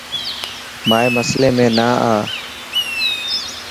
مائي مسلي ۾ نا آءِ.